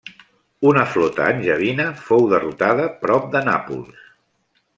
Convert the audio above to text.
Una flota angevina fou derrotada prop de Nàpols.